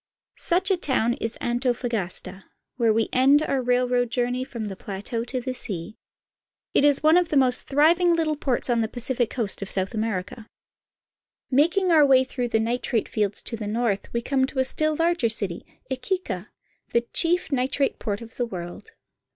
Such a town is Antofagasta (an to fa gas'ta), where we end our railroad journey from the plateau to the sea. It is one of the most thriving little ports on the Pacific coast of South America. Making our way through the nitrate fields to the north, we come to a still larger city, Iquique (e ke'ka), the chief nitrate port of the world.